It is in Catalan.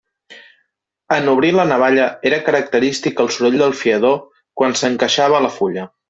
En obrir la navalla era característic el soroll del fiador quan s'encaixava la fulla.